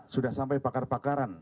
sudah sampai bakar bakaran